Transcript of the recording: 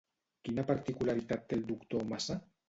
Quina particularitat té el doctor Massa?